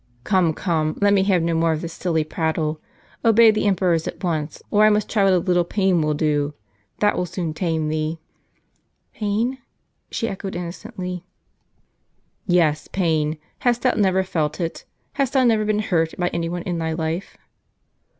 "Come, come! let me have no more of this silly prattle. Obey the emperors at once, or I must try what a little pain will do. That will soon tame thee." " Pain? " she echoed innocently. "Yes, pain. Hast thou never felt it? hast thou never been hurt by any one in thy life?